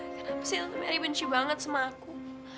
kenapa sih elta mary benci banget sama aku